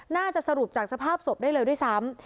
น่าจะสรุปจากสภาพศพได้เลยด้วยซ้ำ